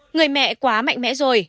người mẹ quá mạnh mẽ rồi